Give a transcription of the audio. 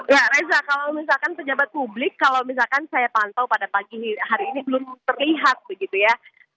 ya reza kalau misalkan pejabat publik kalau misalkan saya pantau pada pagi hari ini belum terlihat begitu ya